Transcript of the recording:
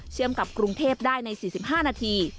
กับกรุงเทพได้ใน๔๕นาที